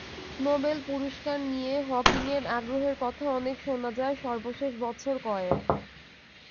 Nobel পুরস্কার নিয়ে হকিংয়ের আগ্রহের কথা অনেক শোনা যায় সর্বশেষ বছর কয়েক।